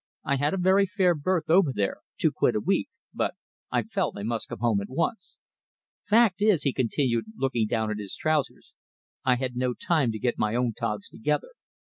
_ I had a very fair berth over there two quid a week, but I felt I must come home at once. Fact is," he continued, looking down at his trousers, "I had no time to get my own togs together.